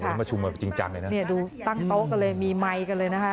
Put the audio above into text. ประชุมแบบจริงจังเลยนะเนี่ยดูตั้งโต๊ะกันเลยมีไมค์กันเลยนะคะ